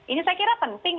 ini saya kira penting